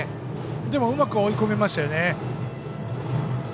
でもうまく追い込みましたね。